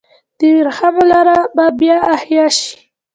د ورېښمو لار به بیا احیا شي؟